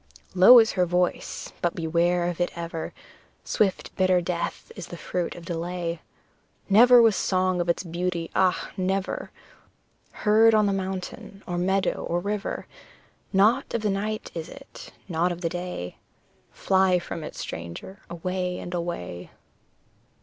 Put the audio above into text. Low is her voice, but beware of it ever, Swift bitter death is the fruit of delay; Never was song of its beauty ah! never Heard on the mountain, or meadow, or river, Not of the night is it, not of the day Fly from it, stranger, away and away.